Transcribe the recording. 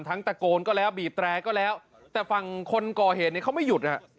ทั้งตะโกนก็แล้วบีฟแตรกก็แล้วแต่ฟังคนก่อเหตุนี้เขาไม่หยุดอ่ะ